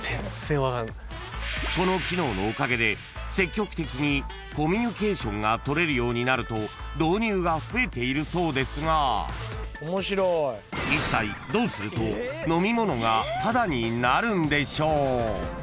［この機能のおかげで積極的にコミュニケーションが取れるようになると導入が増えているそうですがいったいどうすると飲み物がタダになるんでしょう？］